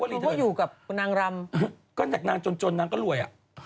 เพราะว่าอยู่กับนางรำก็แหลกนางจนนางก็รวย